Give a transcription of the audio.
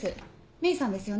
芽衣さんですよね？